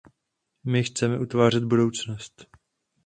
My chceme utvářet budoucnost!